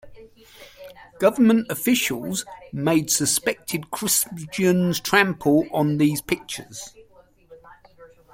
Government officials made suspected Christians trample on these pictures.